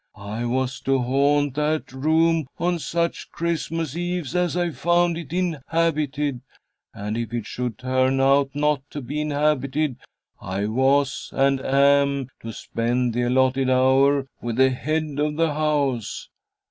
I was to haunt that room on such Christmas Eves as I found it inhabited; and if it should turn out not to be inhabited, I was and am to spend the allotted hour with the head of the house."